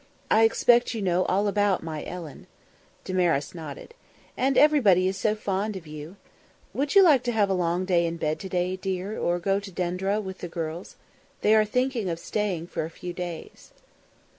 I expect you know all about my Ellen." Damaris nodded. "And everybody is so fond of you. Would you like to have a long day in bed to day, dear, or go to Denderah with the girls? They are thinking of staying for a few days."